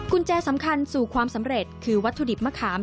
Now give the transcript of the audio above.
แจสำคัญสู่ความสำเร็จคือวัตถุดิบมะขาม